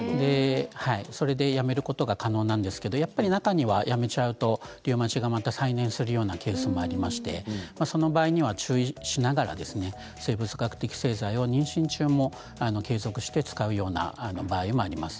それでやめることが可能なんですけれど中にはやめてしまうとリウマチがまた再燃するようなケースがありましてその場合には注意しながら生物学的製剤を妊娠中も継続して使うような場合もあります。